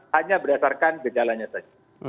hanya berdasarkan gejalanya saja